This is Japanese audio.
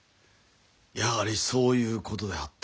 やはりそういうことであったか。